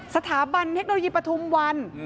สถาบันเทคโนโลยีปฐุมวัน